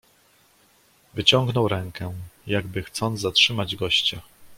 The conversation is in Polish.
"Wyciągnął rękę, jakby chcąc zatrzymać gościa."